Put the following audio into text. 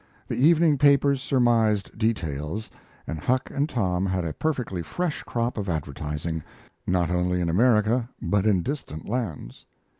The evening papers surmised details, and Huck and Tom had a perfectly fresh crop of advertising, not only in America, but in distant lands.